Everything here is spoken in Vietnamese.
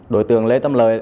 đối tượng lê tâm lợi